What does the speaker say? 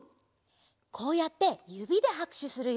こうやってゆびではくしゅするよ。